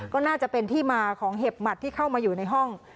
ก็น่าจะเป็นที่มาของเห็บหมัดที่เข้ามาอยู่ในห้อง